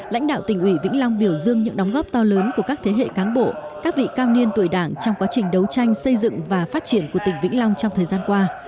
lãnh đạo tỉnh ủy vĩnh long biểu dương những đóng góp to lớn của các thế hệ cán bộ các vị cao niên tuổi đảng trong quá trình đấu tranh xây dựng và phát triển của tỉnh vĩnh long trong thời gian qua